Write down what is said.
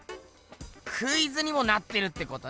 クイズにもなってるってことな？